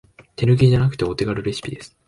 手抜きじゃなくてお手軽レシピです